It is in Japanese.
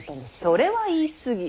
それは言い過ぎ。